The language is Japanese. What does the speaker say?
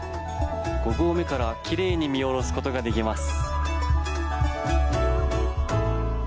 五合目からは奇麗に見下ろすことができます。